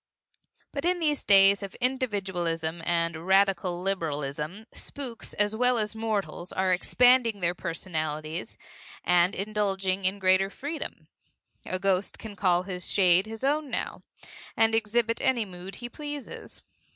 But in these days of individualism and radical liberalism, spooks as well as mortals are expanding their personalities and indulging in greater freedom. A ghost can call his shade his own now, and exhibit any mood he pleases.